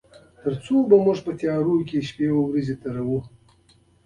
تر څو پورې به موږ په تيارو کې ورځې شپې تيروي.